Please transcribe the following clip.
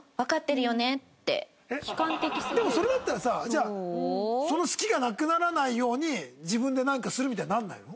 でもそれだったらさじゃあその好きがなくならないように自分でなんかするみたいにならないの？